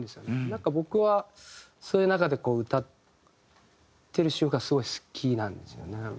なんか僕はそういう中で歌ってる瞬間がすごい好きなんですよね。